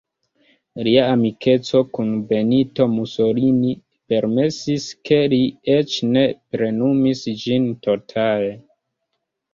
Lia amikeco kun Benito Mussolini permesis, ke li eĉ ne plenumis ĝin totale.